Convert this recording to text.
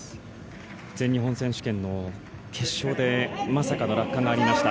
全日本選手権の決勝でまさかの落下がありました。